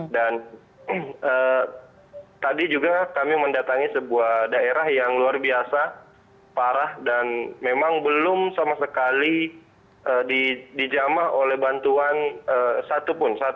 dan tadi juga kami mendatangi sebuah daerah yang luar biasa parah dan memang belum sama sekali dijama oleh bantuan satu pun